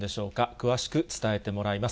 詳しく伝えてもらいます。